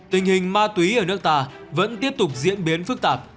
tình hình ma túy ở nước ta vẫn tiếp tục diễn biến phức tạp